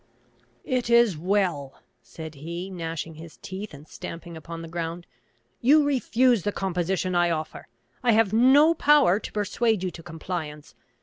"It is well!" said he, gnashing his teeth, and stamping upon the ground. "You refuse the composition I offer! I have no power to persuade you to compliance!